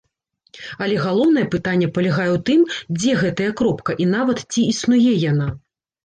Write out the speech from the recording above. Але галоўнае пытанне палягае ў тым, дзе гэтая кропка, і нават, ці існуе яна.